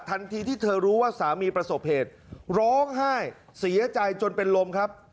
ทันทีที่เธอรู้ว่าสามีประสบเหตุร้องไห้เสียใจจนเป็นลมครับ